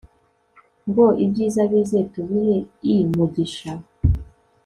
ngo ibyiza bize tubihe imugisha